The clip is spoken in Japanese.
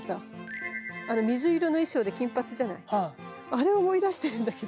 あれ思い出してるんだけど。